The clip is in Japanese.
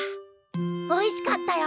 おいしかったよ。